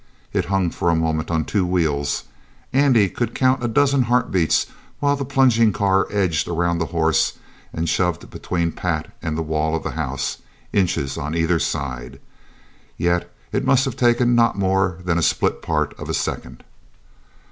It hung for a moment on two wheels. Andy could count a dozen heartbeats while the plunging car edged around the horse and shoved between Pat and the wall of the house inches on either side. Yet it must have taken not more than the split part of a second.